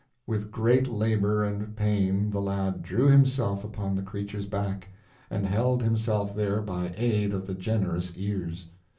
With great labor and pain the lad drew himself upon the creature's back, and held himself there by aid of the generous ears.